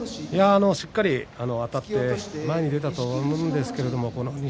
しっかりあたって前に出たと思うんですけど錦